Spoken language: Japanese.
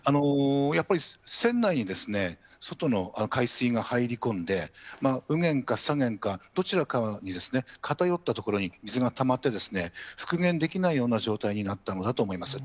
やっぱり船内に外の海水が入り込んで、右舷か左舷かどちらかに偏った所に水がたまって、復元できないような状態になったのだと思います。